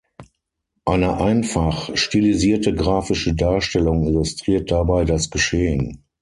Eine einfach stilisierte grafische Darstellung illustriert dabei das Geschehen.